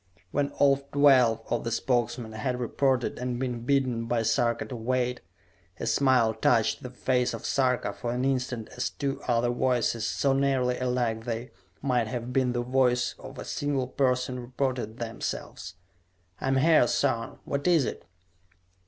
When all twelve of the Spokesmen had reported and been bidden by Sarka to wait, a smile touched the face of Sarka for an instant as two other voices, so nearly alike they might have been the voice of a single person, reported themselves. "I am here, son! What is it?"